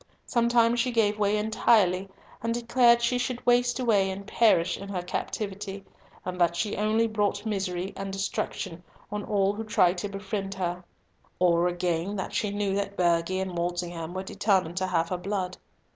Sometimes she gave way entirely, and declared she should waste away and perish in her captivity, and that she only brought misery and destruction on all who tried to befriend her; or, again, that she knew that Burghley and Walsingham were determined to have her blood.